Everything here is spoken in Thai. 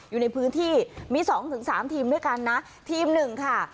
อยู่ในพื้นที่มีสองถึงสามทีมด้วยกันนะทีมหนึ่งค่ะ